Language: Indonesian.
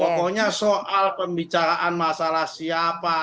pokoknya soal pembicaraan masalah siapa